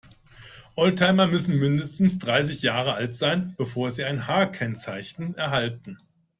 Oldtimer müssen mindestens dreißig Jahre alt sein, bevor sie ein H-Kennzeichen erhalten.